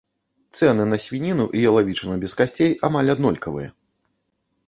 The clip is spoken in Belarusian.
Цэны на свініну і ялавічыну без касцей амаль аднолькавыя.